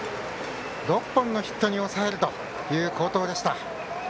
６本のヒットに抑えるという好投でした。